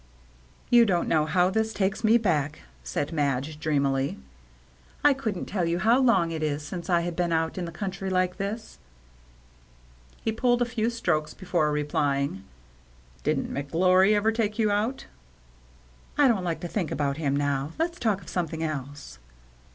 " You don't know how this takes me back," said Madge, dreamily. " I couldn't tell you how long it is since I have been out in the country like this." He pulled a few strokes before replying, " Didn't McGlory ever take you out ?" "I don't like to think about him now. Let's talk of something else."